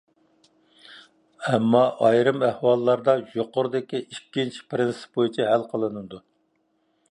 ئەمما، ئايرىم ئەھۋاللاردا يۇقىرىدىكى ئىككىنچى پىرىنسىپ بويىچە ھەل قىلىنىدۇ.